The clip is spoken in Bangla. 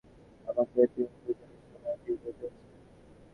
অমলকে তুমি বুঝি একজন সামান্য টিউটর পেয়েছ?